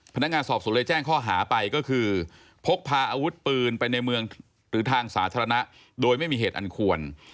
พนักงานสอบสวนเลยแจ้งข้อหาไปก็คือพกพาอาวุธปืนไปในเมืองหรือทางสาธารณะโดยไม่มีเหตุอันควร